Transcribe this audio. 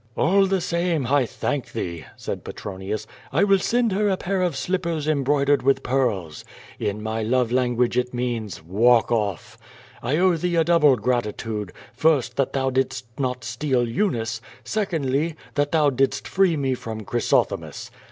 "All the same, I thank thee," said Petronius. "I will send her a pair of slippers embroidered with pearls. In my love language it means *Walk off.' I owe thee a double gratitude, first that thou didst not steal Eunice, secondly, that thou didst free me from Chrysothemis.